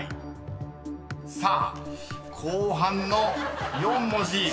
［さあ後半の４文字］